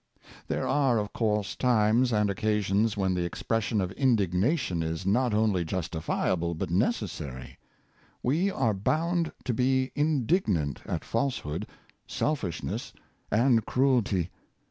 There are, of course, times and occasions when the expression of indignation is not only justifiable but necessary. We are bound to be indignant at falsehood, selfishness, and cruelty.